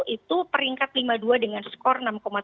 itu peringkat lima puluh dua dengan skor enam tujuh